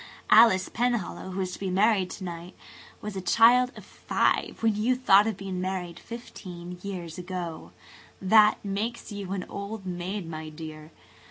Alice Penhallow, who is to be married to night, was a child of five when you thought of being married fifteen years ago. That makes you an old maid, my dear.